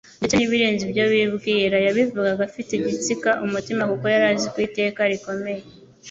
ndetse n'ibirenze ibyo bibwira. Yabivugaga afite igitsika umutima kuko yari azi ko iteka rikomeye